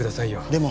でも。